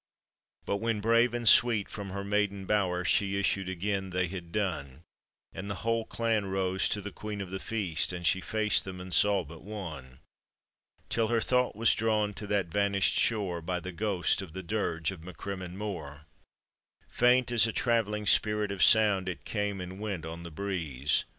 But when, brave and sweet, from her maiden bower She issued again, they had done; And the whole clan rose to the queen of the feast, And she faced them, and saw but one, Till her thought was drawn to that vanished shore By the ghost of the dirge of Macrimmon Mdr Faint as a traveling spirit of sound It came and went on the breeze, POETRY ON OR ABOUT THE MACLEANS. I.